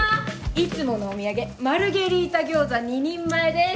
いつものお土産マルゲリータ餃子２人前です。